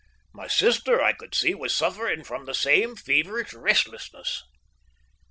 My sister, I could see, was suffering from the same feverish restlessness.